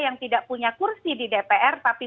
yang tidak punya kursi di dpr tapi